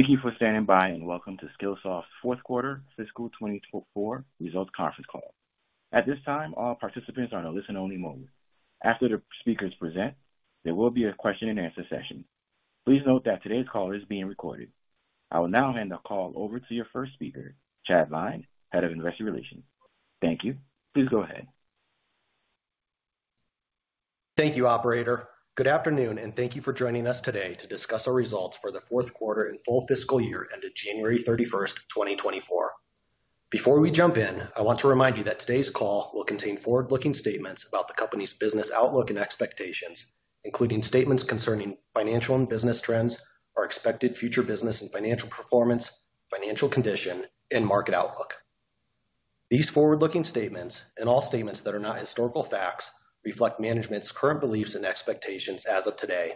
Thank you for standing by and welcome to Skillsoft's fourth quarter fiscal 2024 results conference call. At this time, all participants are in a listen-only mode. After the speakers present, there will be a question-and-answer session. Please note that today's call is being recorded. I will now hand the call over to your first speaker, Chad Lyne, head of investor relations. Thank you. Please go ahead. Thank you, operator. Good afternoon, and thank you for joining us today to discuss our results for the fourth quarter and full fiscal year ended January 31, 2024. Before we jump in, I want to remind you that today's call will contain forward-looking statements about the company's business outlook and expectations, including statements concerning financial and business trends, our expected future business and financial performance, financial condition, and market outlook. These forward-looking statements and all statements that are not historical facts reflect management's current beliefs and expectations as of today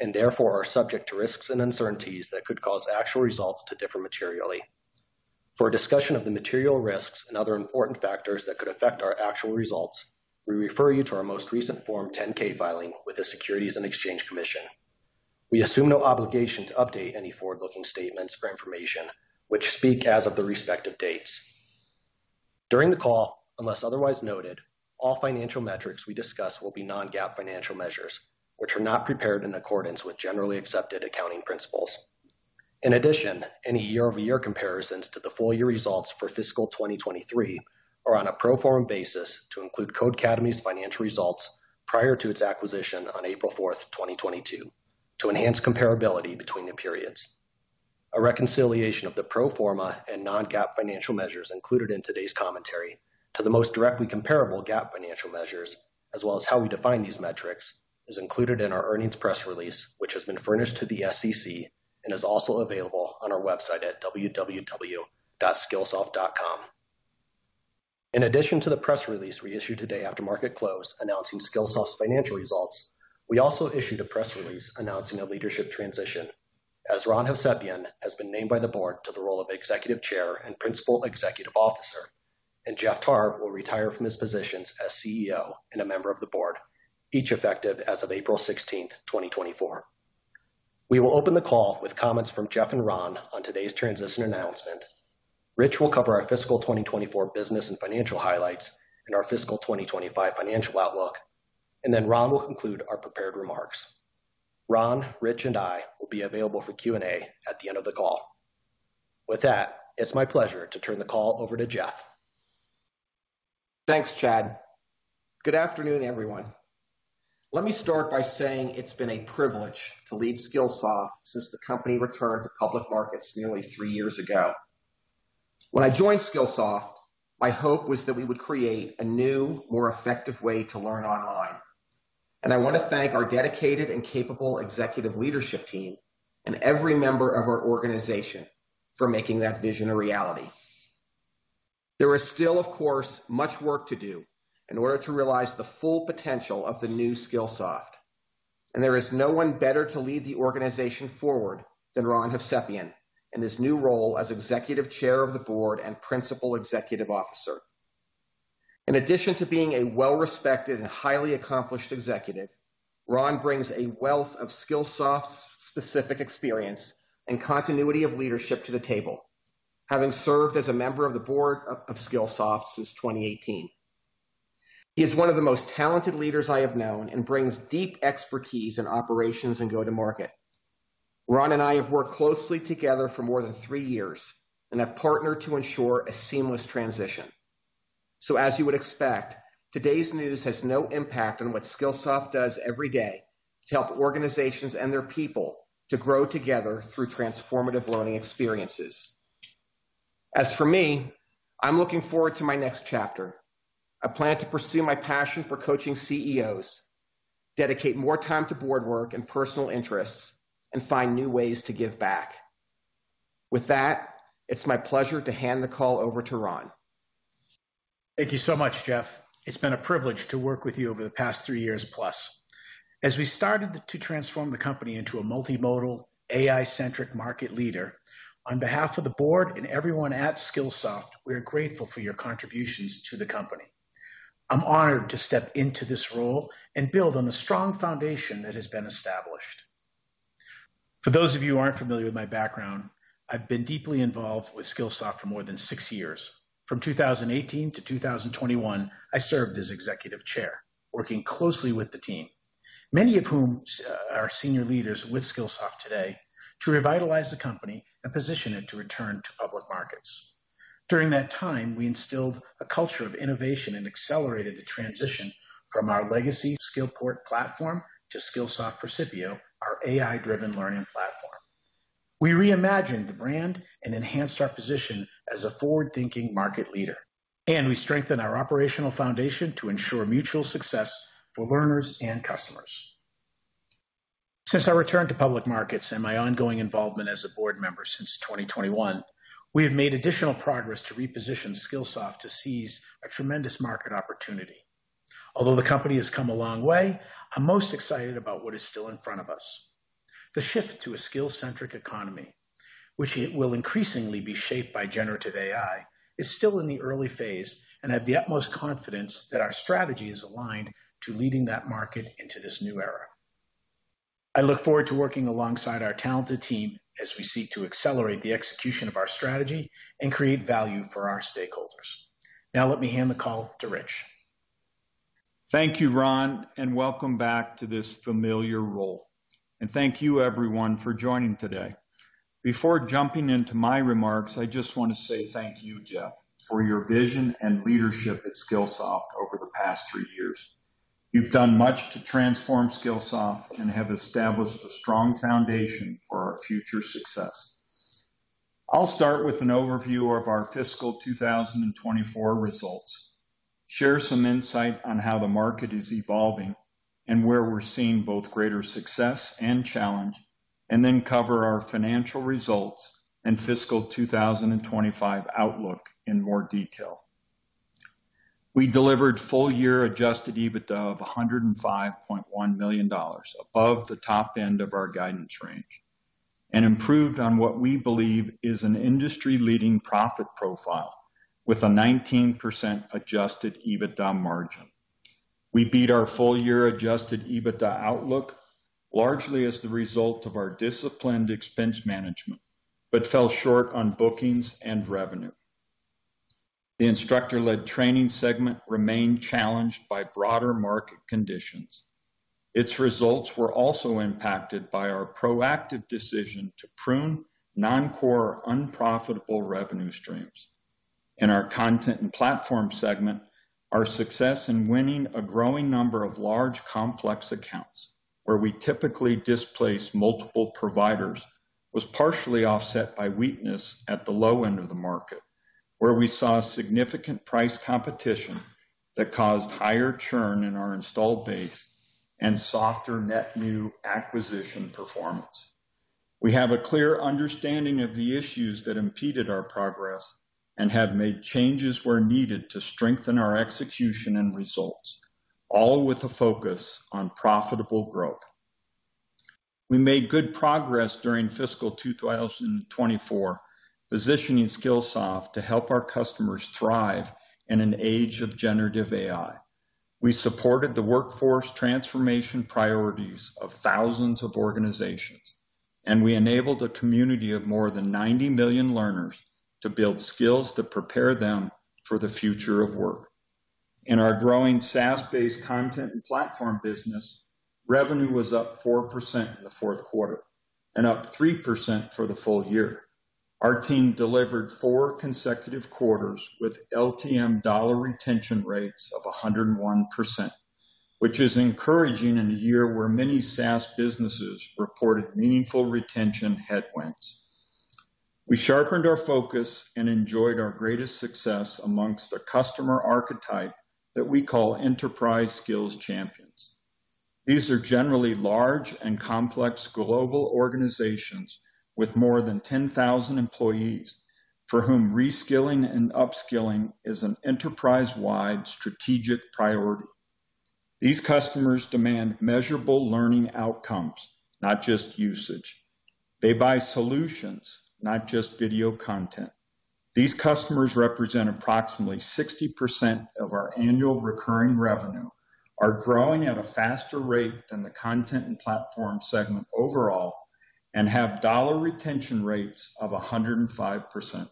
and therefore are subject to risks and uncertainties that could cause actual results to differ materially. For a discussion of the material risks and other important factors that could affect our actual results, we refer you to our most recent Form 10-K filing with the Securities and Exchange Commission. We assume no obligation to update any forward-looking statements or information which speak as of the respective dates. During the call, unless otherwise noted, all financial metrics we discuss will be non-GAAP financial measures, which are not prepared in accordance with generally accepted accounting principles. In addition, any year-over-year comparisons to the full-year results for fiscal 2023 are on a pro forma basis to include Codecademy's financial results prior to its acquisition on April 4, 2022, to enhance comparability between the periods. A reconciliation of the pro forma and non-GAAP financial measures included in today's commentary to the most directly comparable GAAP financial measures, as well as how we define these metrics, is included in our earnings press release, which has been furnished to the SEC and is also available on our website at www.skillsoft.com. In addition to the press release we issue today after market closed announcing Skillsoft's financial results, we also issue the press release announcing a leadership transition, as Ron Hovsepian has been named by the board to the role of executive chair and principal executive officer, and Jeff Tarr will retire from his positions as CEO and a member of the board, each effective as of April 16, 2024. We will open the call with comments from Jeff and Ron on today's transition announcement. Rich will cover our fiscal 2024 business and financial highlights and our fiscal 2025 financial outlook, and then Ron will conclude our prepared remarks. Ron, Rich, and I will be available for Q&A at the end of the call. With that, it's my pleasure to turn the call over to Jeff. Thanks, Chad. Good afternoon, everyone. Let me start by saying it's been a privilege to lead Skillsoft since the company returned to public markets nearly three years ago. When I joined Skillsoft, my hope was that we would create a new, more effective way to learn online. I want to thank our dedicated and capable executive leadership team and every member of our organization for making that vision a reality. There is still, of course, much work to do in order to realize the full potential of the new Skillsoft, and there is no one better to lead the organization forward than Ron Hovsepian in his new role as Executive Chair of the Board and Principal Executive Officer. In addition to being a well-respected and highly accomplished executive, Ron brings a wealth of Skillsoft-specific experience and continuity of leadership to the table, having served as a member of the board of Skillsoft since 2018. He is one of the most talented leaders I have known and brings deep expertise in operations and go-to-market. Ron and I have worked closely together for more than three years and have partnered to ensure a seamless transition. So, as you would expect, today's news has no impact on what Skillsoft does every day to help organizations and their people to grow together through transformative learning experiences. As for me, I'm looking forward to my next chapter. I plan to pursue my passion for coaching CEOs, dedicate more time to board work and personal interests, and find new ways to give back. With that, it's my pleasure to hand the call over to Ron. Thank you so much, Jeff. It's been a privilege to work with you over the past three years plus. As we started to transform the company into a multimodal, AI-centric market leader, on behalf of the board and everyone at Skillsoft, we are grateful for your contributions to the company. I'm honored to step into this role and build on the strong foundation that has been established. For those of you who aren't familiar with my background, I've been deeply involved with Skillsoft for more than six years. From 2018 to 2021, I served as executive chair, working closely with the team, many of whom are senior leaders with Skillsoft today, to revitalize the company and position it to return to public markets. During that time, we instilled a culture of innovation and accelerated the transition from our legacy Skillport platform to Skillsoft Percipio, our AI-driven learning platform. We reimagined the brand and enhanced our position as a forward-thinking market leader, and we strengthened our operational foundation to ensure mutual success for learners and customers. Since our return to public markets and my ongoing involvement as a board member since 2021, we have made additional progress to reposition Skillsoft to seize a tremendous market opportunity. Although the company has come a long way, I'm most excited about what is still in front of us. The shift to a skill-centric economy, which will increasingly be shaped by Generative AI, is still in the early phase, and I have the utmost confidence that our strategy is aligned to leading that market into this new era. I look forward to working alongside our talented team as we seek to accelerate the execution of our strategy and create value for our stakeholders. Now let me hand the call to Rich. Thank you, Ron, and welcome back to this familiar role. Thank you, everyone, for joining today. Before jumping into my remarks, I just want to say thank you, Jeff, for your vision and leadership at Skillsoft over the past three years. You've done much to transform Skillsoft and have established a strong foundation for our future success. I'll start with an overview of our fiscal 2024 results, share some insight on how the market is evolving and where we're seeing both greater success and challenge, and then cover our financial results and fiscal 2025 outlook in more detail. We delivered full-year adjusted EBITDA of $105.1 million, above the top end of our guidance range, and improved on what we believe is an industry-leading profit profile with a 19% adjusted EBITDA margin. We beat our full-year Adjusted EBITDA outlook largely as the result of our disciplined expense management but fell short on bookings and revenue. The Instructor-Led Training segment remained challenged by broader market conditions. Its results were also impacted by our proactive decision to prune non-core, unprofitable revenue streams. In our Content and Platform segment, our success in winning a growing number of large, complex accounts, where we typically displace multiple providers, was partially offset by weakness at the low end of the market, where we saw significant price competition that caused higher churn in our installed base and softer net new acquisition performance. We have a clear understanding of the issues that impeded our progress and have made changes where needed to strengthen our execution and results, all with a focus on profitable growth. We made good progress during fiscal 2024, positioning Skillsoft to help our customers thrive in an age of Generative AI. We supported the workforce transformation priorities of thousands of organizations, and we enabled a community of more than 90 million learners to build skills that prepare them for the future of work. In our growing SaaS-based content and platform business, revenue was up 4% in the fourth quarter and up 3% for the full year. Our team delivered four consecutive quarters with LTM dollar retention rates of 101%, which is encouraging in a year where many SaaS businesses reported meaningful retention headwinds. We sharpened our focus and enjoyed our greatest success amongst a customer archetype that we call Enterprise Skills Champions. These are generally large and complex global organizations with more than 10,000 employees, for whom reskilling and upskilling is an enterprise-wide strategic priority. These customers demand measurable learning outcomes, not just usage. They buy solutions, not just video content. These customers represent approximately 60% of our annual recurring revenue, are growing at a faster rate than the Content and Platform segment overall, and have dollar retention rates of 105%.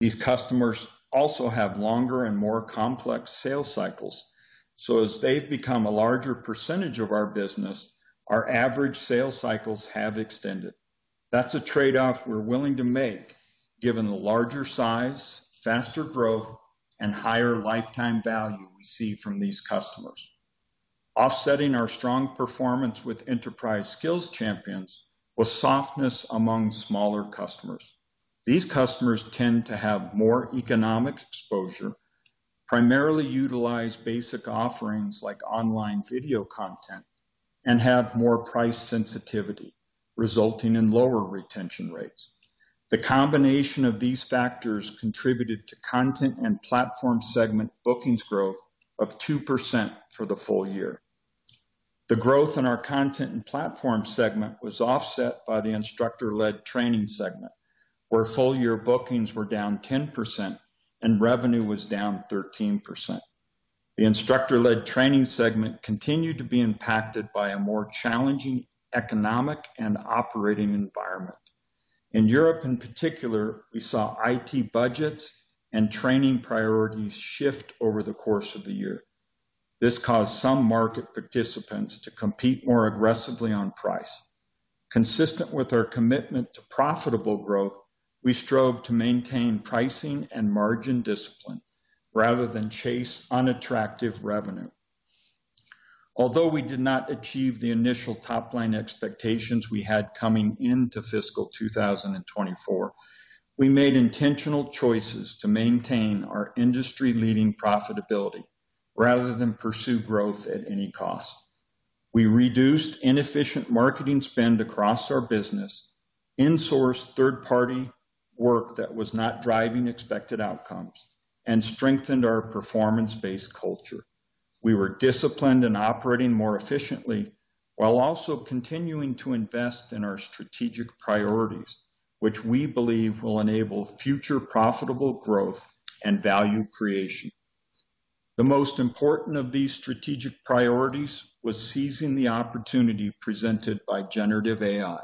These customers also have longer and more complex sales cycles. So as they've become a larger percentage of our business, our average sales cycles have extended. That's a trade-off we're willing to make given the larger size, faster growth, and higher lifetime value we see from these customers. Offsetting our strong performance with Enterprise Skills Champions was softness among smaller customers. These customers tend to have more economic exposure, primarily utilize basic offerings like online video content, and have more price sensitivity, resulting in lower retention rates. The combination of these factors contributed to Content and Platform segment bookings growth of 2% for the full year. The growth in our Content and Platform segment was offset by the Instructor-Led Training segment, where full-year bookings were down 10% and revenue was down 13%. The Instructor-Led Training segment continued to be impacted by a more challenging economic and operating environment. In Europe in particular, we saw IT budgets and training priorities shift over the course of the year. This caused some market participants to compete more aggressively on price. Consistent with our commitment to profitable growth, we strove to maintain pricing and margin discipline rather than chase unattractive revenue. Although we did not achieve the initial top-line expectations we had coming into fiscal 2024, we made intentional choices to maintain our industry-leading profitability rather than pursue growth at any cost. We reduced inefficient marketing spend across our business, insourced third-party work that was not driving expected outcomes, and strengthened our performance-based culture. We were disciplined in operating more efficiently while also continuing to invest in our strategic priorities, which we believe will enable future profitable growth and value creation. The most important of these strategic priorities was seizing the opportunity presented by generative AI.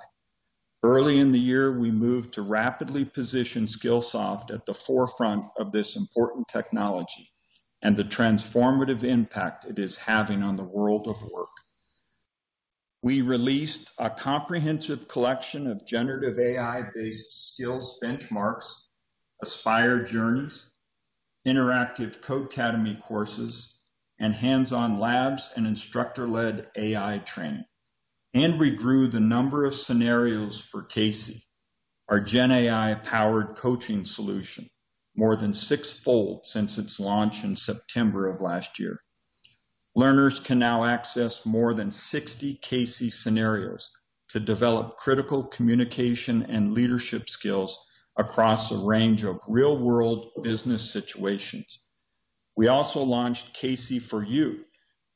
Early in the year, we moved to rapidly position Skillsoft at the forefront of this important technology and the transformative impact it is having on the world of work. We released a comprehensive collection of generative AI-based skills benchmarks, Aspire Journeys, interactive Codecademy courses, and hands-on labs and instructor-led AI training, and regrew the number of scenarios for CAISY, our GenAI-powered coaching solution, more than sixfold since its launch in September of last year. Learners can now access more than 60 CAISY scenarios to develop critical communication and leadership skills across a range of real-world business situations. We also launched CAISY for You,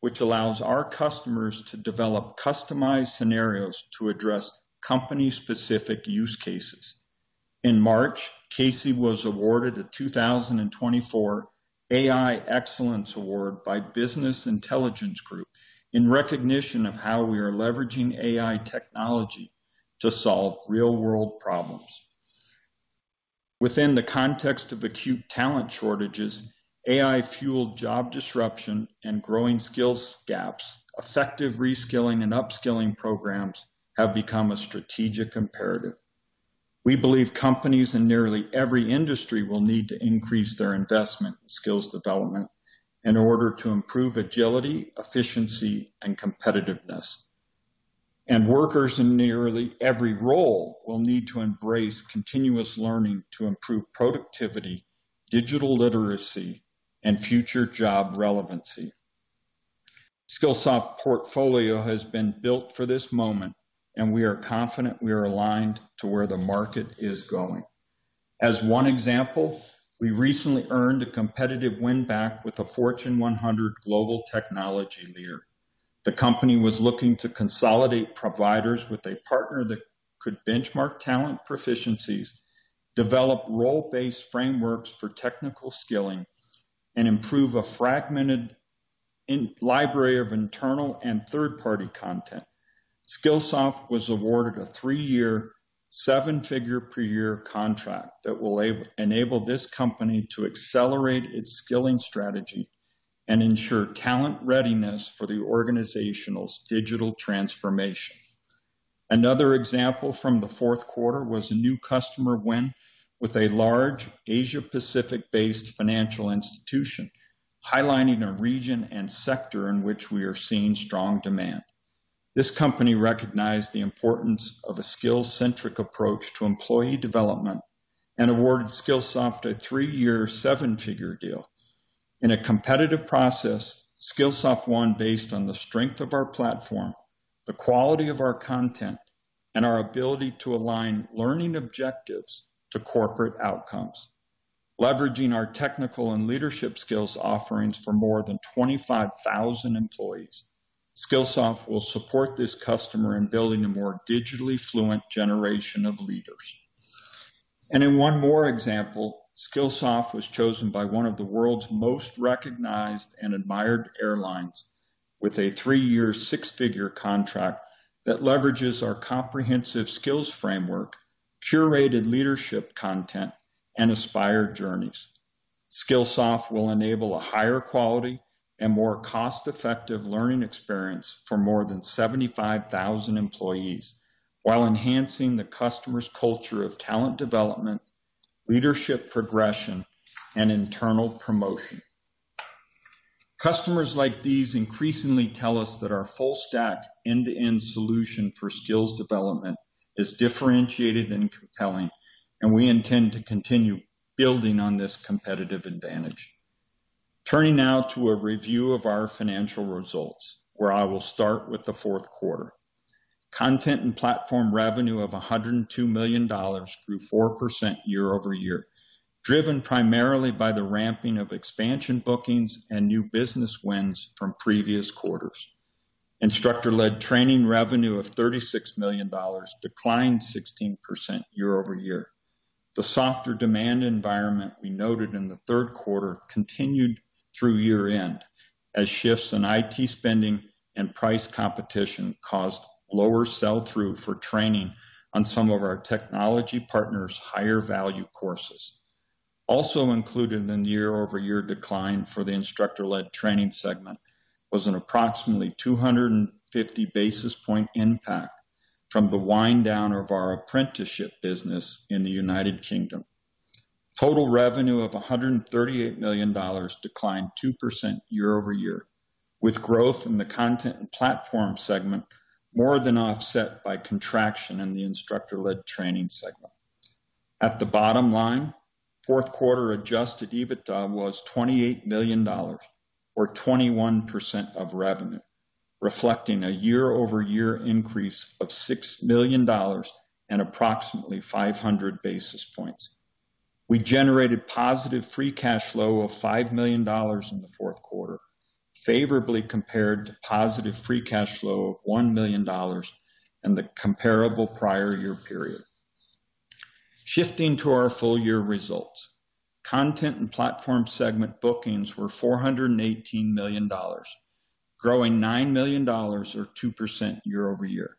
which allows our customers to develop customized scenarios to address company-specific use cases. In March, CAISY was awarded a 2024 AI Excellence Award by Business Intelligence Group in recognition of how we are leveraging AI technology to solve real-world problems. Within the context of acute talent shortages, AI-fueled job disruption and growing skills gaps, effective reskilling and upskilling programs have become a strategic imperative. We believe companies in nearly every industry will need to increase their investment in skills development in order to improve agility, efficiency, and competitiveness. Workers in nearly every role will need to embrace continuous learning to improve productivity, digital literacy, and future job relevancy. Skillsoft portfolio has been built for this moment, and we are confident we are aligned to where the market is going. As one example, we recently earned a competitive win back with a Fortune 100 global technology leader. The company was looking to consolidate providers with a partner that could benchmark talent proficiencies, develop role-based frameworks for technical skilling, and improve a fragmented library of internal and third-party content. Skillsoft was awarded a three-year, seven-figure-per-year contract that will enable this company to accelerate its skilling strategy and ensure talent readiness for the organization's digital transformation. Another example from the fourth quarter was a new customer win with a large Asia-Pacific-based financial institution, highlighting a region and sector in which we are seeing strong demand. This company recognized the importance of a skill-centric approach to employee development and awarded Skillsoft a three-year, seven-figure deal. In a competitive process, Skillsoft won based on the strength of our platform, the quality of our content, and our ability to align learning objectives to corporate outcomes. Leveraging our technical and leadership skills offerings for more than 25,000 employees, Skillsoft will support this customer in building a more digitally fluent generation of leaders. In one more example, Skillsoft was chosen by one of the world's most recognized and admired airlines with a three-year, six-figure contract that leverages our comprehensive skills framework, curated leadership content, and Aspire Journeys. Skillsoft will enable a higher quality and more cost-effective learning experience for more than 75,000 employees while enhancing the customer's culture of talent development, leadership progression, and internal promotion. Customers like these increasingly tell us that our full-stack end-to-end solution for skills development is differentiated and compelling, and we intend to continue building on this competitive advantage. Turning now to a review of our financial results, where I will start with the fourth quarter. Content and Platform revenue of $102 million grew 4% year-over-year, driven primarily by the ramping of expansion bookings and new business wins from previous quarters. Instructor-Led Training revenue of $36 million declined 16% year-over-year. The softer demand environment we noted in the third quarter continued through year-end as shifts in IT spending and price competition caused lower sell-through for training on some of our technology partners' higher-value courses. Also included in the year-over-year decline for the Instructor-Led Training segment was an approximately 250 basis points impact from the wind-down of our apprenticeship business in the United Kingdom. Total revenue of $138 million declined 2% year-over-year, with growth in the Content and Platform segment more than offset by contraction in the Instructor-Led Training segment. At the bottom line, fourth quarter Adjusted EBITDA was $28 million, or 21% of revenue, reflecting a year-over-year increase of $6 million and approximately 500 basis points. We generated positive Free Cash Flow of $5 million in the fourth quarter, favorably compared to positive Free Cash Flow of $1 million in the comparable prior year period. Shifting to our full-year results, Content and Platform segment Bookings were $418 million, growing $9 million, or 2% year-over-year.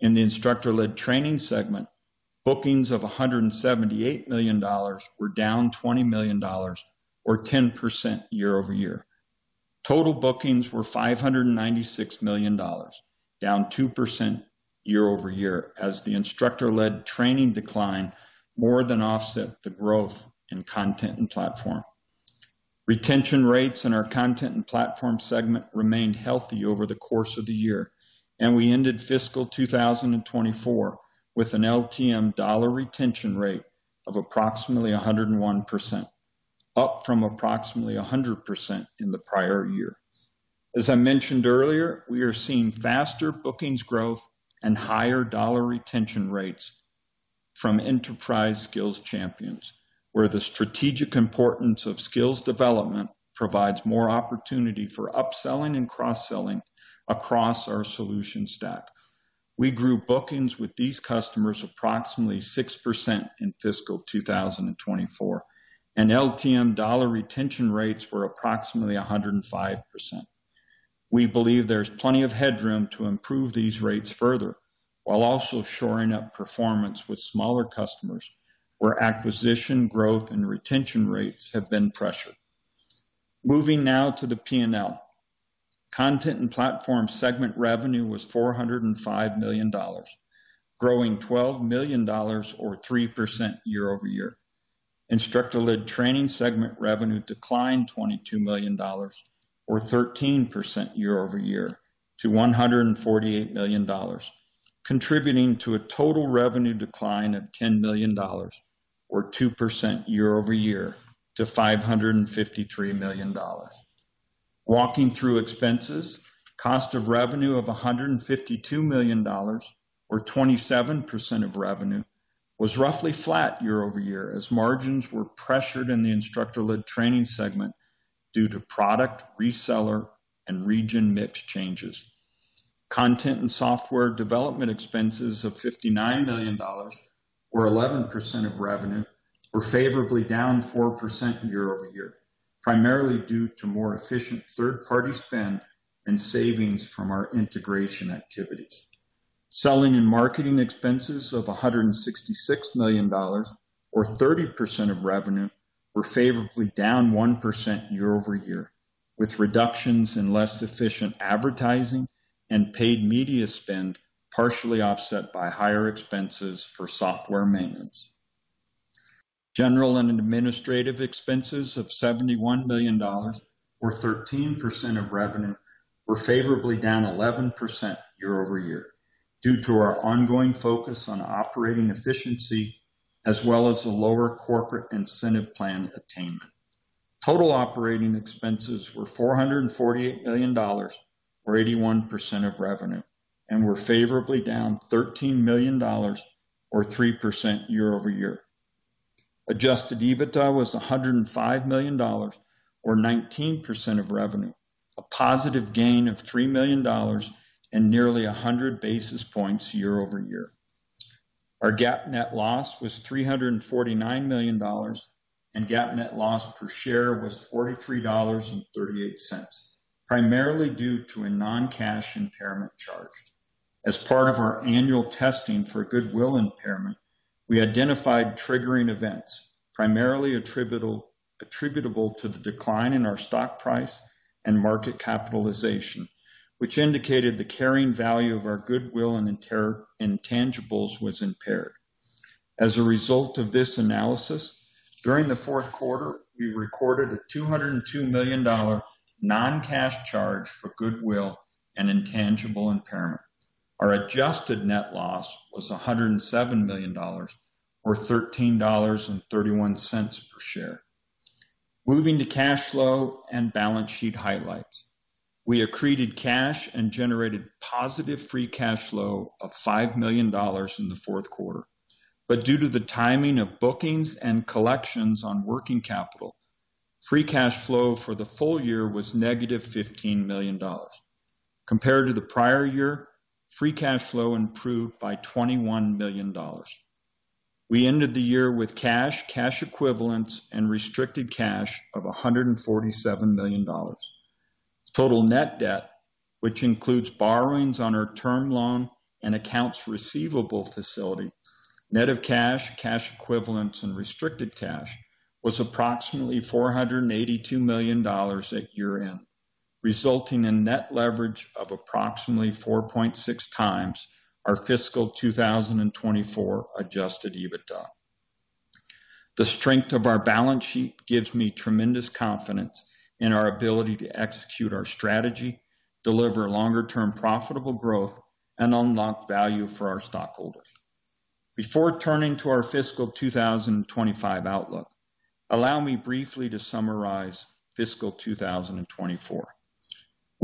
In the Instructor-Led Training segment, Bookings of $178 million were down $20 million, or 10% year-over-year. Total Bookings were $596 million, down 2% year-over-year as the Instructor-Led Training decline more than offset the growth in Content and Platform. Retention rates in our content and platform segment remained healthy over the course of the year, and we ended fiscal 2024 with an LTM dollar retention rate of approximately 101%, up from approximately 100% in the prior year. As I mentioned earlier, we are seeing faster bookings growth and higher dollar retention rates from enterprise skills champions, where the strategic importance of skills development provides more opportunity for upselling and cross-selling across our solution stack. We grew bookings with these customers approximately 6% in fiscal 2024, and LTM dollar retention rates were approximately 105%. We believe there's plenty of headroom to improve these rates further while also shoring up performance with smaller customers where acquisition, growth, and retention rates have been pressured. Moving now to the P&L, content and platform segment revenue was $405 million, growing $12 million, or 3% year-over-year. Instructor-led training segment revenue declined $22 million, or 13% year-over-year, to $148 million, contributing to a total revenue decline of $10 million, or 2% year-over-year, to $553 million. Walking through expenses, cost of revenue of $152 million, or 27% of revenue, was roughly flat year-over-year as margins were pressured in the instructor-led training segment due to product, reseller, and region mix changes. Content and software development expenses of $59 million, or 11% of revenue, were favorably down 4% year-over-year, primarily due to more efficient third-party spend and savings from our integration activities. Selling and marketing expenses of $166 million, or 30% of revenue, were favorably down 1% year-over-year, with reductions in less efficient advertising and paid media spend partially offset by higher expenses for software maintenance. General and administrative expenses of $71 million, or 13% of revenue, were favorably down 11% year-over-year due to our ongoing focus on operating efficiency as well as a lower corporate incentive plan attainment. Total operating expenses were $448 million, or 81% of revenue, and were favorably down $13 million, or 3% year-over-year. Adjusted EBITDA was $105 million, or 19% of revenue, a positive gain of $3 million and nearly 100 basis points year-over-year. Our GAAP net loss was $349 million, and GAAP net loss per share was $43.38, primarily due to a non-cash impairment charge. As part of our annual testing for goodwill impairment, we identified triggering events, primarily attributable to the decline in our stock price and market capitalization, which indicated the carrying value of our goodwill and intangibles was impaired. As a result of this analysis, during the fourth quarter, we recorded a $202 million non-cash charge for goodwill and intangible impairment. Our adjusted net loss was $107 million, or $13.31 per share. Moving to cash flow and balance sheet highlights, we accreted cash and generated positive free cash flow of $5 million in the fourth quarter. But due to the timing of bookings and collections on working capital, free cash flow for the full year was negative $15 million. Compared to the prior year, free cash flow improved by $21 million. We ended the year with cash, cash equivalents, and restricted cash of $147 million. Total net debt, which includes borrowings on our term loan and accounts receivable facility, net of cash, cash equivalents, and restricted cash, was approximately $482 million at year-end, resulting in net leverage of approximately 4.6x our fiscal 2024 adjusted EBITDA. The strength of our balance sheet gives me tremendous confidence in our ability to execute our strategy, deliver longer-term profitable growth, and unlock value for our stockholders. Before turning to our fiscal 2025 outlook, allow me briefly to summarize fiscal 2024.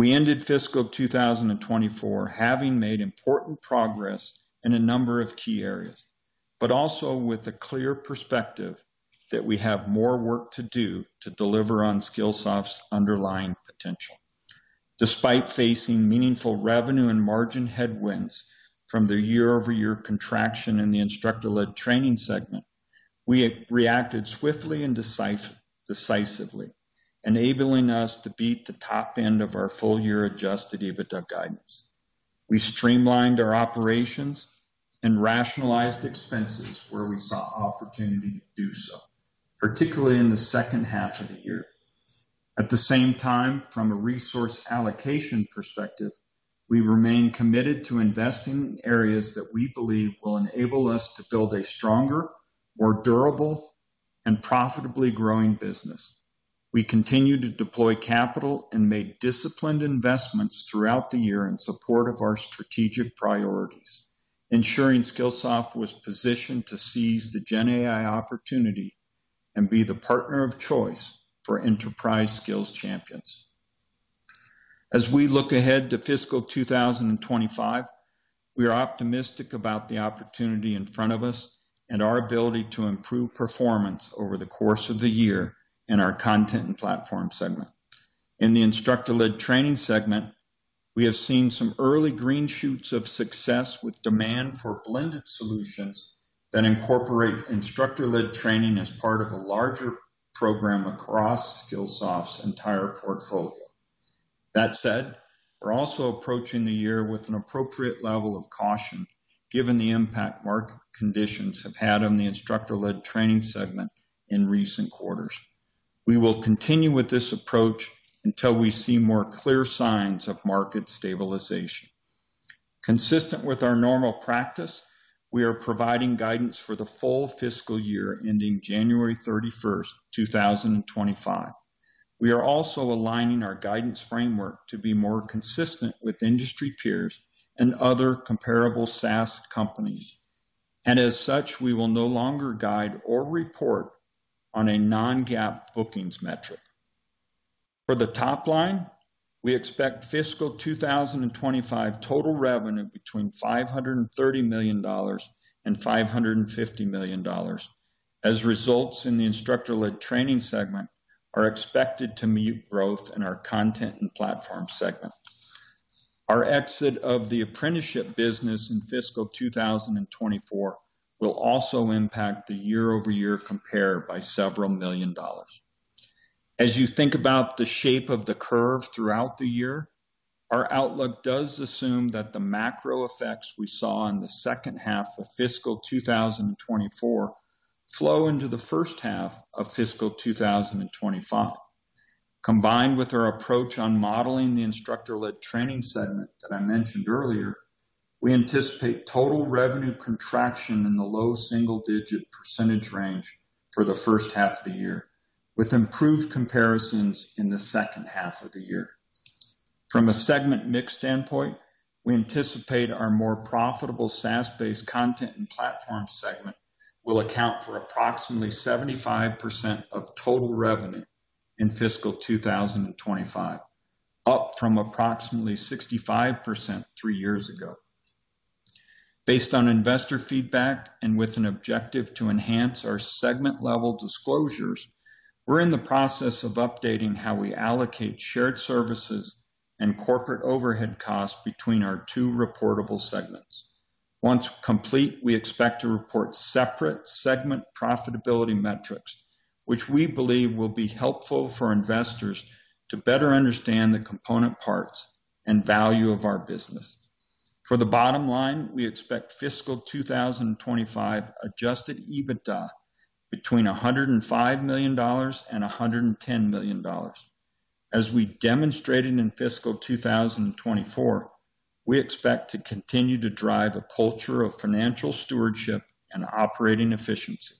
We ended fiscal 2024 having made important progress in a number of key areas, but also with the clear perspective that we have more work to do to deliver on Skillsoft's underlying potential. Despite facing meaningful revenue and margin headwinds from the year-over-year contraction in the instructor-led training segment, we reacted swiftly and decisively, enabling us to beat the top end of our full-year adjusted EBITDA guidance. We streamlined our operations and rationalized expenses where we saw opportunity to do so, particularly in the second half of the year. At the same time, from a resource allocation perspective, we remain committed to investing in areas that we believe will enable us to build a stronger, more durable, and profitably growing business. We continue to deploy capital and made disciplined investments throughout the year in support of our strategic priorities, ensuring Skillsoft was positioned to seize the GenAI opportunity and be the partner of choice for enterprise skills champions. As we look ahead to fiscal 2025, we are optimistic about the opportunity in front of us and our ability to improve performance over the course of the year in our Content and Platform segment. In the Instructor-Led Training segment, we have seen some early green shoots of success with demand for blended solutions that incorporate instructor-led training as part of a larger program across Skillsoft's entire portfolio. That said, we're also approaching the year with an appropriate level of caution, given the impact market conditions have had on the instructor-led training segment in recent quarters. We will continue with this approach until we see more clear signs of market stabilization. Consistent with our normal practice, we are providing guidance for the full fiscal year ending January 31st, 2025. We are also aligning our guidance framework to be more consistent with industry peers and other comparable SaaS companies. And as such, we will no longer guide or report on a non-GAAP bookings metric. For the top line, we expect fiscal 2025 total revenue between $530 million and $550 million as results in the instructor-led training segment are expected to mute growth in our Content and Platform segment. Our exit of the apprenticeship business in fiscal 2024 will also impact the year-over-year compare by several million dollars. As you think about the shape of the curve throughout the year, our outlook does assume that the macro effects we saw in the second half of fiscal 2024 flow into the first half of fiscal 2025. Combined with our approach on modeling the instructor-led training segment that I mentioned earlier, we anticipate total revenue contraction in the low single-digit percentage range for the first half of the year, with improved comparisons in the second half of the year. From a segment mix standpoint, we anticipate our more profitable SaaS-based content and platform segment will account for approximately 75% of total revenue in fiscal 2025, up from approximately 65% three years ago. Based on investor feedback and with an objective to enhance our segment-level disclosures, we're in the process of updating how we allocate shared services and corporate overhead costs between our two reportable segments. Once complete, we expect to report separate segment profitability metrics, which we believe will be helpful for investors to better understand the component parts and value of our business. For the bottom line, we expect fiscal 2025 Adjusted EBITDA between $105 million and $110 million. As we demonstrated in fiscal 2024, we expect to continue to drive a culture of financial stewardship and operating efficiency,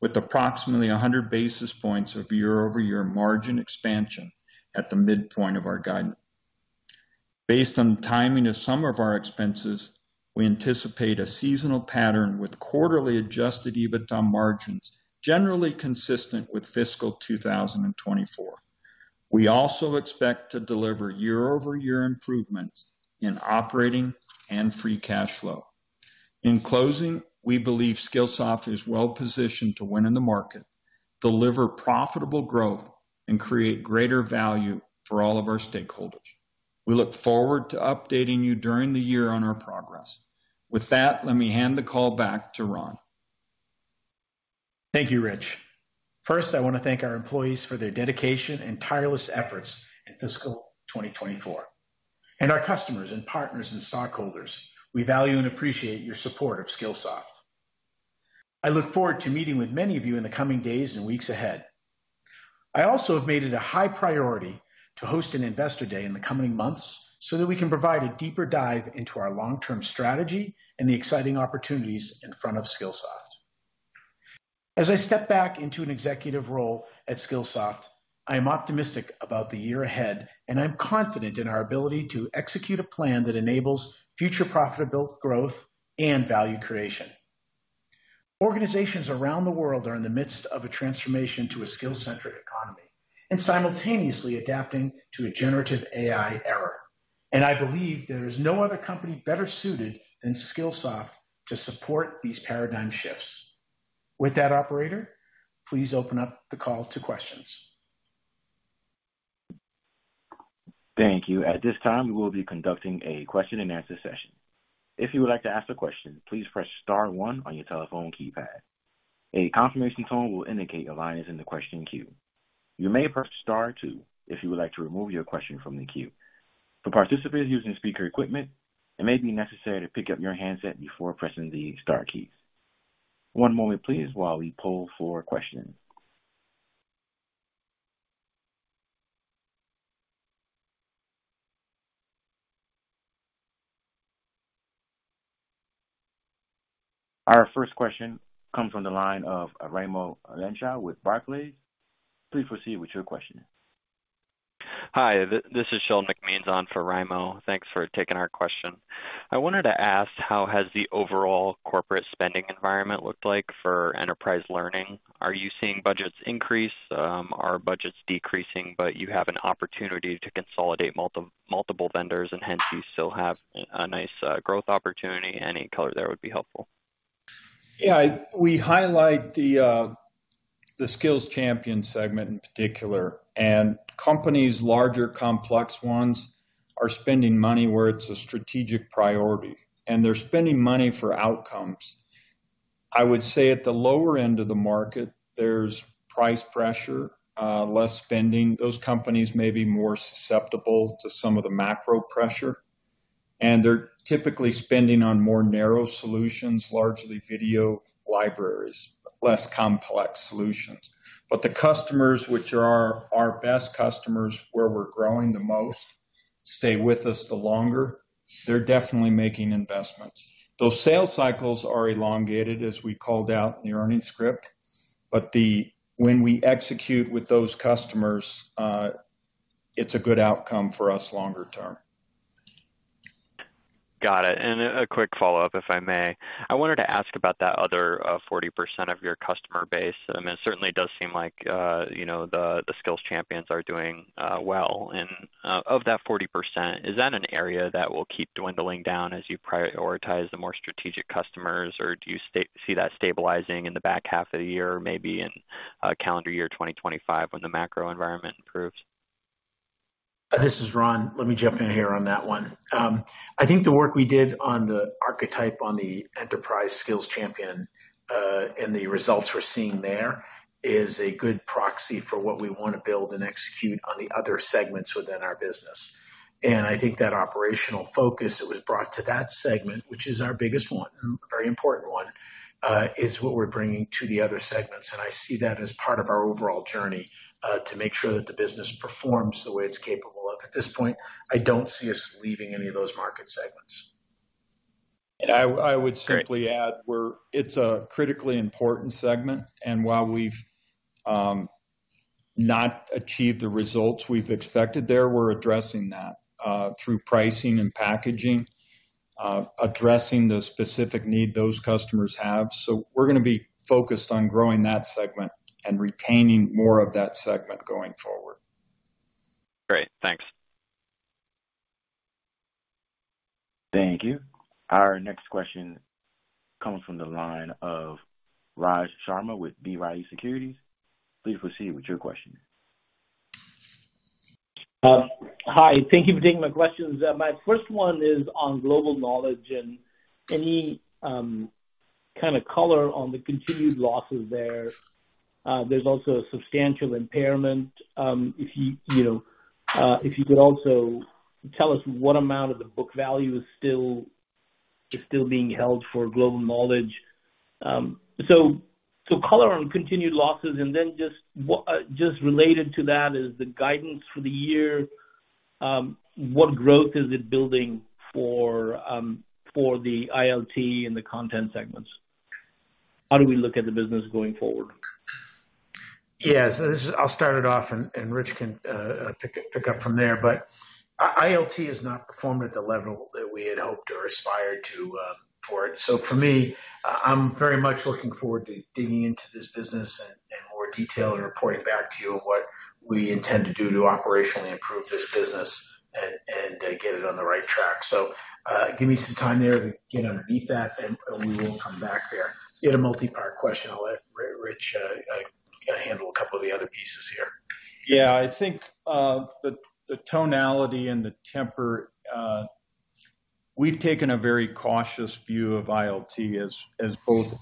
with approximately 100 basis points of year-over-year margin expansion at the midpoint of our guidance. Based on the timing of some of our expenses, we anticipate a seasonal pattern with quarterly Adjusted EBITDA margins generally consistent with fiscal 2024. We also expect to deliver year-over-year improvements in operating and Free Cash Flow. In closing, we believe Skillsoft is well positioned to win in the market, deliver profitable growth, and create greater value for all of our stakeholders. We look forward to updating you during the year on our progress. With that, let me hand the call back to Ron. Thank you, Rich. First, I want to thank our employees for their dedication and tireless efforts in fiscal 2024. Our customers and partners and stockholders, we value and appreciate your support of Skillsoft. I look forward to meeting with many of you in the coming days and weeks ahead. I also have made it a high priority to host an investor day in the coming months so that we can provide a deeper dive into our long-term strategy and the exciting opportunities in front of Skillsoft. As I step back into an executive role at Skillsoft, I am optimistic about the year ahead, and I'm confident in our ability to execute a plan that enables future profitable growth and value creation. Organizations around the world are in the midst of a transformation to a skill-centric economy and simultaneously adapting to a generative AI era. I believe there is no other company better suited than Skillsoft to support these paradigm shifts. With that, operator, please open up the call to questions. Thank you. At this time, we will be conducting a question-and-answer session. If you would like to ask a question, please press star one on your telephone keypad. A confirmation tone will indicate your line is in the question queue. You may press star two if you would like to remove your question from the queue. For participants using speaker equipment, it may be necessary to pick up your handset before pressing the star keys. One moment, please, while we pull for questions. Our first question comes from the line of Raimo Lenschow with Barclays. Please proceed with your question. Hi. This is Sheldon McMeans for Raimo. Thanks for taking our question. I wanted to ask, how has the overall corporate spending environment looked like for enterprise learning? Are you seeing budgets increase? Are budgets decreasing, but you have an opportunity to consolidate multiple vendors and hence you still have a nice growth opportunity? Any color there would be helpful. Yeah. We highlight the skills champion segment in particular, and companies, larger complex ones, are spending money where it's a strategic priority, and they're spending money for outcomes. I would say at the lower end of the market, there's price pressure, less spending. Those companies may be more susceptible to some of the macro pressure, and they're typically spending on more narrow solutions, largely video libraries, less complex solutions. But the customers, which are our best customers where we're growing the most, stay with us the longer. They're definitely making investments. Those sales cycles are elongated, as we called out in the earnings script. But when we execute with those customers, it's a good outcome for us longer term. Got it. And a quick follow-up, if I may. I wanted to ask about that other 40% of your customer base. I mean, it certainly does seem like the skills champions are doing well. And of that 40%, is that an area that will keep dwindling down as you prioritize the more strategic customers, or do you see that stabilizing in the back half of the year, maybe in calendar year 2025 when the macro environment improves? This is Ron. Let me jump in here on that one. I think the work we did on the archetype on the enterprise skills champion and the results we're seeing there is a good proxy for what we want to build and execute on the other segments within our business. I think that operational focus that was brought to that segment, which is our biggest one and very important one, is what we're bringing to the other segments. I see that as part of our overall journey to make sure that the business performs the way it's capable of. At this point, I don't see us leaving any of those market segments. I would simply add where it's a critically important segment. While we've not achieved the results we've expected there, we're addressing that through pricing and packaging, addressing the specific need those customers have. We're going to be focused on growing that segment and retaining more of that segment going forward. Great. Thanks. Thank you. Our next question comes from the line of Raj Sharma with B. Riley Securities. Please proceed with your question. Hi. Thank you for taking my questions. My first one is on Global Knowledge and any kind of color on the continued losses there. There's also a substantial impairment. If you could also tell us what amount of the book value is still being held for Global Knowledge. So color on continued losses. And then just related to that, is the guidance for the year, what growth is it building for the ILT and the content segments? How do we look at the business going forward? Yeah. So I'll start it off, and Rich can pick up from there. But ILT has not performed at the level that we had hoped or aspired to for it. So for me, I'm very much looking forward to digging into this business in more detail and reporting back to you on what we intend to do to operationally improve this business and get it on the right track. So give me some time there to get underneath that, and we will come back there. You had a multi-part question. I'll let Rich handle a couple of the other pieces here. Yeah. I think the tonality and the temper, we've taken a very cautious view of ILT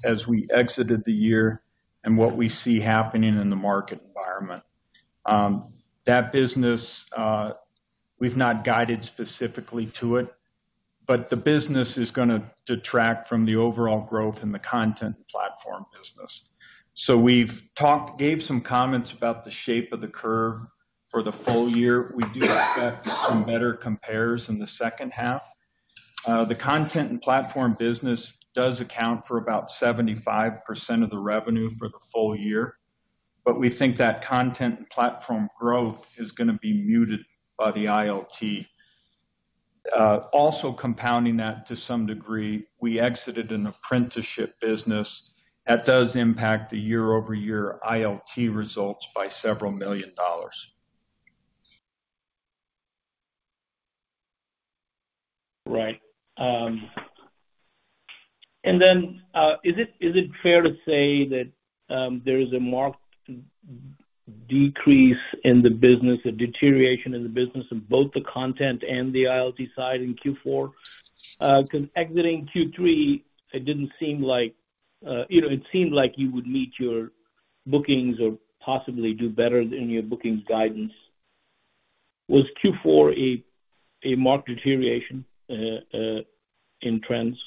as we exited the year and what we see happening in the market environment. That business, we've not guided specifically to it, but the business is going to detract from the overall growth in the Content and Platform business. So we've gave some comments about the shape of the curve for the full year. We do expect some better compares in the second half. The Content and Platform business does account for about 75% of the revenue for the full year, but we think that Content and Platform growth is going to be muted by the ILT. Also compounding that to some degree, we exited an apprenticeship business. That does impact the year-over-year ILT results by $several million. Right. And then is it fair to say that there is a marked decrease in the business, a deterioration in the business in both the content and the ILT side in Q4? Because exiting Q3, it didn't seem like you would meet your bookings or possibly do better than your bookings guidance. Was Q4 a marked deterioration in trends?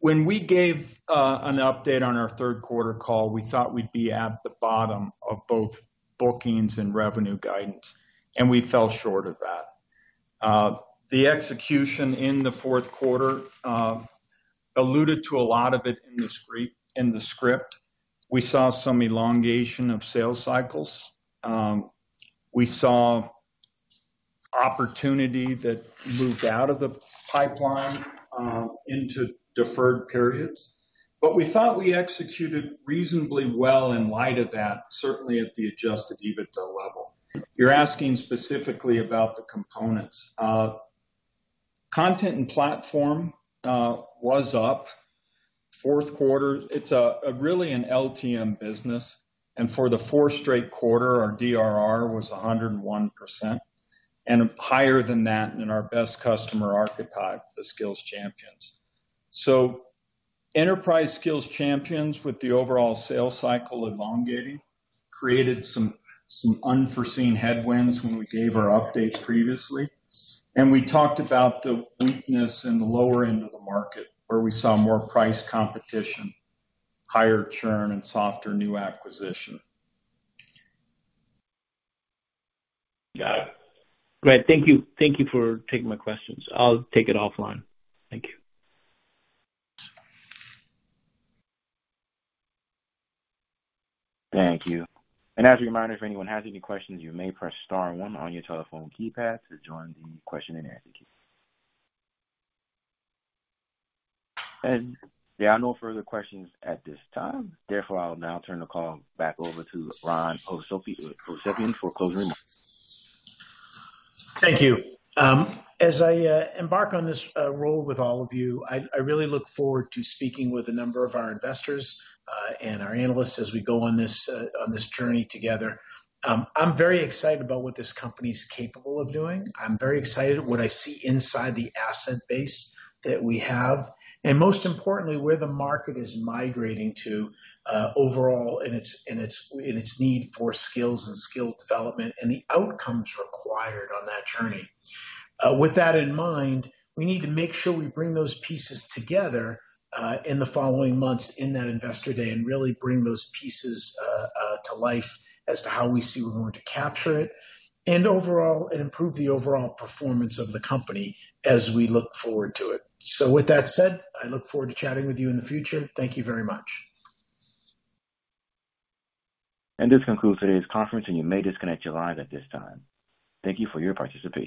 When we gave an update on our third-quarter call, we thought we'd be at the bottom of both bookings and revenue guidance, and we fell short of that. The execution in the fourth quarter alluded to a lot of it in the script. We saw some elongation of sales cycles. We saw opportunity that moved out of the pipeline into deferred periods. But we thought we executed reasonably well in light of that, certainly at the Adjusted EBITDA level. You're asking specifically about the components. Content and Platform was up fourth quarter. It's really an LTM business. And for the four straight quarter, our DRR was 101% and higher than that in our best customer archetype, the Skills Champions. So Enterprise Skills Champions, with the overall sales cycle elongating, created some unforeseen headwinds when we gave our update previously. We talked about the weakness in the lower end of the market where we saw more price competition, higher churn, and softer new acquisition. Got it. Great. Thank you for taking my questions. I'll take it offline. Thank you. Thank you. As a reminder, if anyone has any questions, you may press star one on your telephone keypad to join the question-and-answer queue. There are no further questions at this time. Therefore, I'll now turn the call back over to Ron Hovsepian for closing remarks. Thank you. As I embark on this role with all of you, I really look forward to speaking with a number of our investors and our analysts as we go on this journey together. I'm very excited about what this company is capable of doing. I'm very excited at what I see inside the asset base that we have. Most importantly, where the market is migrating to overall in its need for skills and skill development and the outcomes required on that journey. With that in mind, we need to make sure we bring those pieces together in the following months in that investor day and really bring those pieces to life as to how we see we're going to capture it and overall improve the overall performance of the company as we look forward to it. So with that said, I look forward to chatting with you in the future. Thank you very much. This concludes today's conference, and you may disconnect your line at this time. Thank you for your participation.